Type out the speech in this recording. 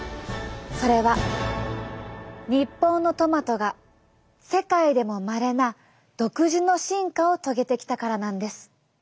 それは日本のトマトが世界でもまれな独自の進化を遂げてきたからなんです。